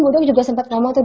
mudong juga sempat ngomong tuh